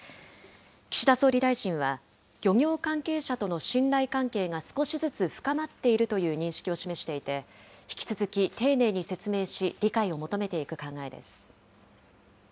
岸田総理大臣は、漁業関係者との信頼関係が少しずつ深まっているという認識を示していて、引き続き丁寧に説明し、理解を求めていく考えです。